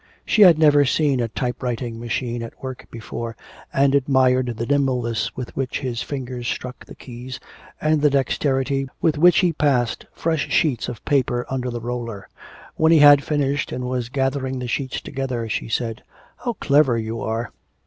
She had never seen a type writing machine at work before, and admired the nimbleness with which his fingers struck the letters, and the dexterity with which he passed fresh sheets of paper under the roller. When he had finished and was gathering the sheets together, she said, 'How clever you are.'